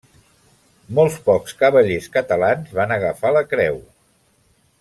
Molt pocs cavallers catalans van agafar la creu.